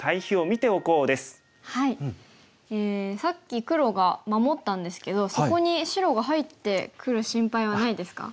さっき黒が守ったんですけどそこに白が入ってくる心配はないですか？